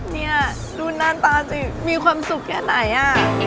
เนี่ยดูหน้าตาสิมีความสุขแค่ไหนอ่ะ